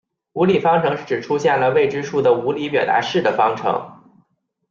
无理方程是指出现了关于未知数的无理表达式的方程。